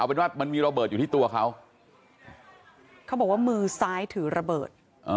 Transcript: เป็นว่ามันมีระเบิดอยู่ที่ตัวเขาเขาบอกว่ามือซ้ายถือระเบิด